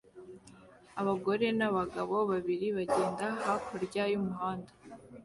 Abagore n'abagabo babiri bagenda hakurya y'umuhanda